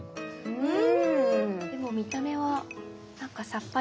うん。